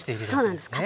そうなんです。